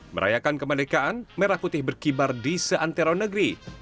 merayakan kemerdekaan merah putih berkibar di seantero negeri